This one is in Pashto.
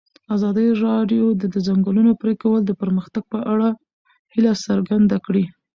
ازادي راډیو د د ځنګلونو پرېکول د پرمختګ په اړه هیله څرګنده کړې.